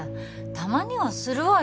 たまにはするわよ